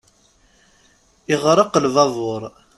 Iɣreq lbabur.